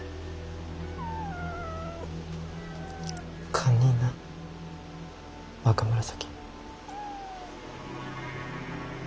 堪忍な若紫。